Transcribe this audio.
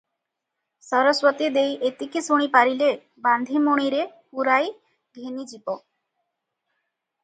ସରସ୍ୱତୀ ଦେଈ ଏତିକି ଶୁଣି ପାରିଲେ, ବାନ୍ଧି ମୁଣିରେ ପୁରାଇ ଘେନିଯିବ ।